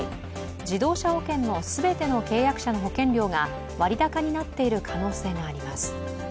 自動車保険の全ての契約者の保険料が、割高になっている可能性があります。